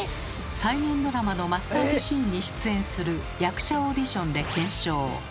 再現ドラマのマッサージシーンに出演する役者オーディションで検証。